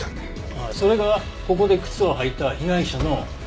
ああそれがここで靴を履いた被害者の靴下に付着した。